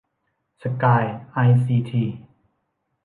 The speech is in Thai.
สกาย ไอซีที